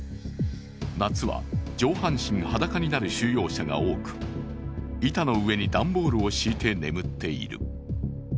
夏は上半身裸になる収容者が多く板の上に段ボールを敷いて眠っている。